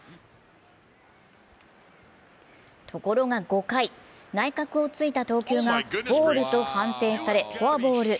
ところが５回、内角をついた投球がボールと判定されフォアボール。